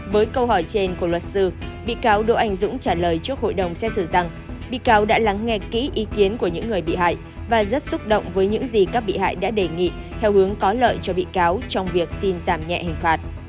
với câu hỏi trên của luật sư bị cáo đỗ anh dũng trả lời trước hội đồng xét xử rằng bị cáo đã lắng nghe kỹ ý kiến của những người bị hại và rất xúc động với những gì các bị hại đã đề nghị theo hướng có lợi cho bị cáo trong việc xin giảm nhẹ hình phạt